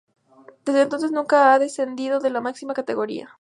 Desde entonces nunca ha descendido de la máxima categoría.